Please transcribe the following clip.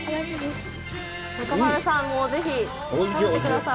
中丸さんもぜひ食べてください。